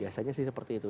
biasanya sih seperti itu